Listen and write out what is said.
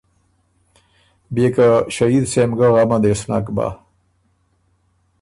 بيې که ݭهید سېم ګۀ غمه دې سو نک بَۀ۔